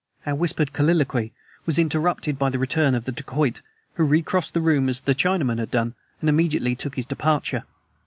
Our whispered colloquy was interrupted by the return of the dacoit, who recrossed the room as the Chinaman had done, and immediately took his departure.